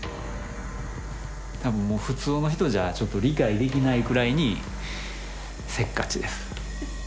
多分もう普通の人じゃちょっと理解できないくらいにせっかちです。